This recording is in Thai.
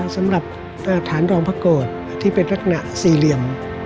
สำหรับฐานรองพระโกรธที่เป็นลักษณะสี่เหลี่ยม